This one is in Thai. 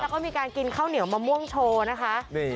แล้วก็มีการกินข้าวเหนียวมะม่วงโชว์นะคะ